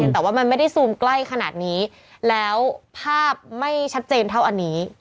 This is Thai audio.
แต่ว่ามันไม่ได้ซูมใกล้ขนาดนี้แล้วภาพไม่ชัดเจนเท่าอันนี้